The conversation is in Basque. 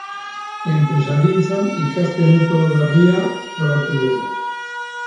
Enpresagintzaren ikaste metodo berria probatu dugu.